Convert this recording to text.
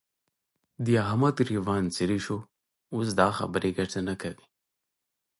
د احمد ګرېوان څيرې شو؛ اوس دا خبرې ګټه نه کوي.